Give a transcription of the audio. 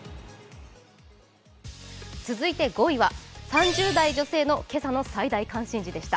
続いて５位は３０代女性の今朝の最大関心事でした。